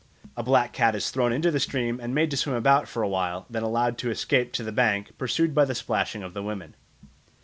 A black cat is thrown into the stream and made to swim about for a while, then allowed to escape to the bank, pursued by the splashing of the women.